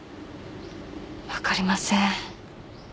分かりません。